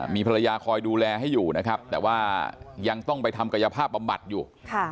มีภรรยาคอยดูแลให้อยู่นะครับแต่ว่ายังต้องไปทำกายภาพบำบัดอยู่